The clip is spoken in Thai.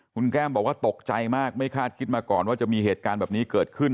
คุณแก้มบอกว่าตกใจมากไม่คาดคิดมาก่อนว่าจะมีเหตุการณ์แบบนี้เกิดขึ้น